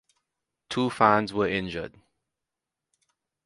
Two fans were injured.